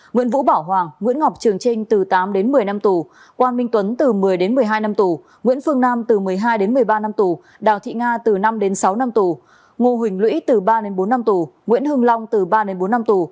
nguyễn vũ bảo hoàng nguyễn ngọc trường trinh từ tám một mươi năm tù quang minh tuấn từ một mươi một mươi hai năm tù nguyễn phương nam từ một mươi hai một mươi ba năm tù đào thị nga từ năm sáu năm tù ngô huỳnh lũy từ ba bốn năm tù nguyễn hưng long từ ba bốn năm tù